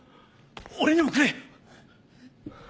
俺にもくれ！